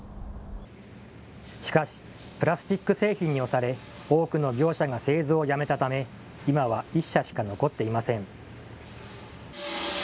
しかしプラスチック製品に押され多くの業者が製造をやめたため今は１社しか残っていません。